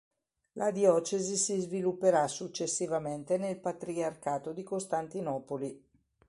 La diocesi si svilupperà successivamente nel Patriarcato di Costantinopoli.